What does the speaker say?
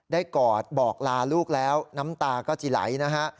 กอดบอกลาลูกแล้วน้ำตาก็จะไหลนะฮะ